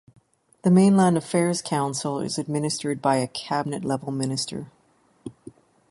The Mainland Affairs Council is administered by a cabinet level Minister.